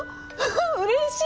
うれしい！